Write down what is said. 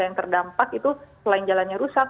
yang terdampak itu selain jalannya rusak